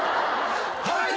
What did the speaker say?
はい！